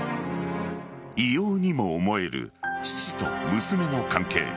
異様にも思える父と娘の関係。